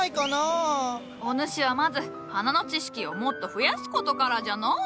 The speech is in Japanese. お主はまず花の知識をもっと増やす事からじゃのう。